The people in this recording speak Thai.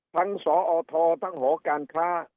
ทั้งสอททหกค